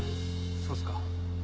そうっすか。